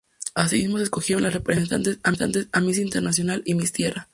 Así mismo se escogieron las representantes a Miss Internacional y Miss Tierra.